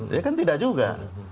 ya kan tidak juga